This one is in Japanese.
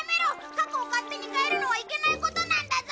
過去を勝手に変えるのはいけないことなんだぞ！